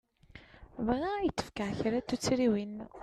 Bɣiɣ ad k-d-fkeɣ kra n tuttriwin.